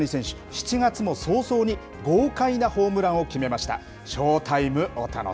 ７月も早々に豪快なホームランを決めました。